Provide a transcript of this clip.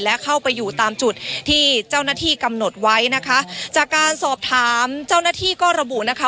และเข้าไปอยู่ตามจุดที่เจ้าหน้าที่กำหนดไว้นะคะจากการสอบถามเจ้าหน้าที่ก็ระบุนะคะ